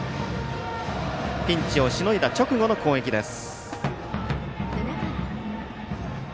ピンチをしのいだ直後の攻撃です。